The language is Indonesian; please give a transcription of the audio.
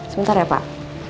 sebentar ya pak